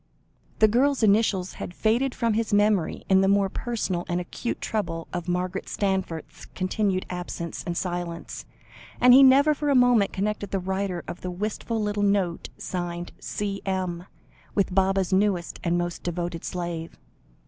The girl's initials had faded from his memory, in the more personal and acute trouble of Margaret Stanforth's continued absence and silence, and he never for a moment connected the writer of the wistful little note signed "C.M.," with Baba's newest and most devoted slave.